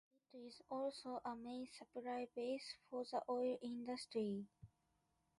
It is also a main supply base for the oil industry.